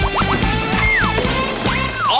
อบจ